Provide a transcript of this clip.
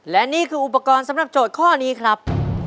และนี่คืออุปกรณ์สำหรับโจทย์ข้อนี้ครับ